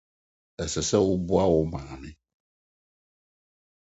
Ɛsɛ sɛ woboa wo maame.